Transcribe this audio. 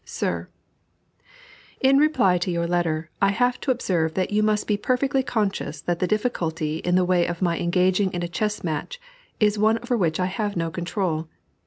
SIR, In reply to your letter, I have to observe that you must be perfectly conscious that the difficulty in the way of my engaging in a chess match is one over which I have no control.